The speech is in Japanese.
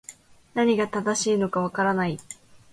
何が正しいのか分からない